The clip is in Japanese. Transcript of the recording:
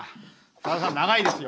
さださん、長いですよ。